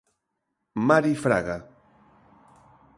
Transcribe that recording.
Mari Fraga.